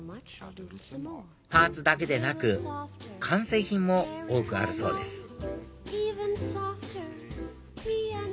パーツだけでなく完成品も多くあるそうですお！